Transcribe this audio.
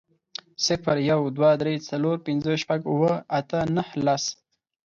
صفر، يو، دوه، درې، څلور، پنځه، شپږ، اووه، اته، نهه، لس